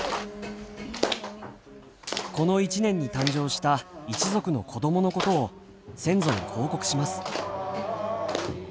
この一年に誕生した一族の子供のことを先祖に報告します。